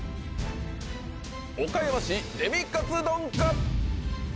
岡山市デミカツ丼か！？